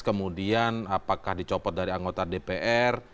kemudian apakah dicopot dari anggota dpr